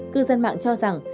cư dân mạng cho rằng